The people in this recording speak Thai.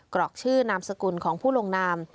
อกชื่อนามสกุลของผู้ลงนาม